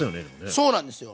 そうなんですよ。